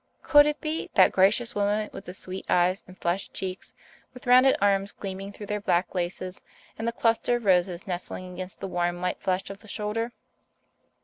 Could it be that gracious woman with the sweet eyes and flushed cheeks, with rounded arms gleaming through their black laces and the cluster of roses nestling against the warm white flesh of the shoulder?